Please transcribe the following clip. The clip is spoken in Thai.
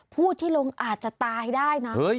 ผู้ที่ลงอาจจะตายได้นะ